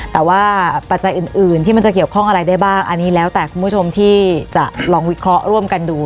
แต่ว่าปัจจัยอื่นที่มันจะเกี่ยวข้องอะไรได้บ้างอันนี้แล้วแต่คุณผู้ชมที่จะลองวิเคราะห์ร่วมกันดู